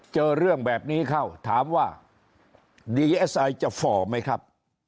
เจอเรื่องแบบนี้เข้าถามว่าดีเอสไอจะฝ่อไหมครับ